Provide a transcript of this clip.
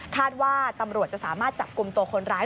คาดว่าตำรวจจะสามารถจับกลุ่มตัวคนร้าย